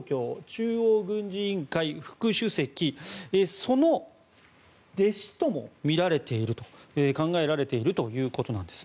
中央軍事委員会副主席その弟子ともみられている考えられているということです。